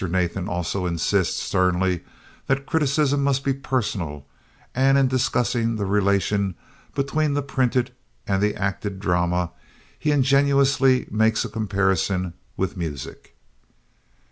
Nathan also insists sternly that criticism must be personal, and in discussing the relation between the printed and the acted drama he ingeniously makes a comparison with music.